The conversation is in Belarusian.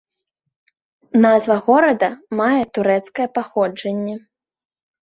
Назва горада мае турэцкае паходжанне.